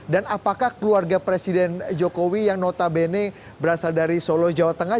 apakah keluarga presiden jokowi yang notabene berasal dari solo jawa tengah